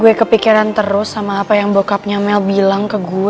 gue kepikiran terus sama apa yang bockupnya mel bilang ke gue